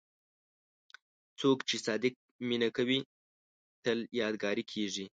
څوک چې صادق مینه کوي، تل یادګاري کېږي.